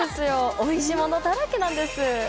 おいしいものだらけなんです！